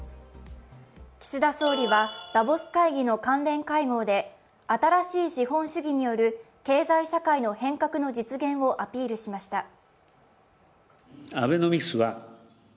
岸田総理はダボス会議の関連会合で新しい資本主義による経済社会の変革の実現をアピールしました。